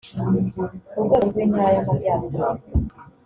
Ku rwego rw’Intara y’Amajyaruguru